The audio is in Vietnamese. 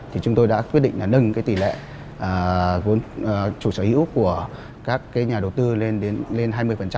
thì chúng tôi đã quyết định là nâng cái tỷ lệ vốn chủ sở hữu của các nhà đầu tư lên đến lên hai mươi